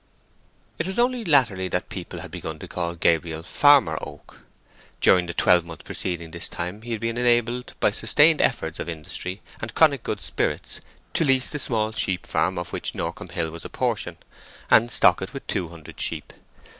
It was only latterly that people had begun to call Gabriel "Farmer" Oak. During the twelvemonth preceding this time he had been enabled by sustained efforts of industry and chronic good spirits to lease the small sheep farm of which Norcombe Hill was a portion, and stock it with two hundred sheep.